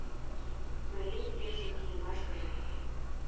Марин йӧсын кийымашкыже